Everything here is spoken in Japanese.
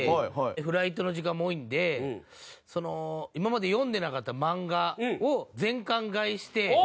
フライトの時間も多いんで今まで読んでなかった漫画を全巻買いして読もうと思って。